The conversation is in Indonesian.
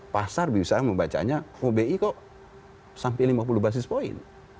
pasar bisa membacanya oh bi kok sampai lima puluh basis point